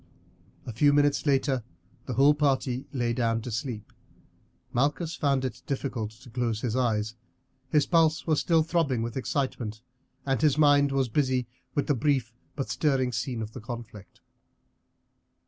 A few minutes later the whole party lay down to sleep. Malchus found it difficult to close his eyes. His pulse was still throbbing with excitement, and his mind was busy with the brief but stirring scene of the conflict.